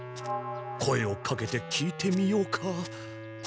声をかけて聞いてみようか？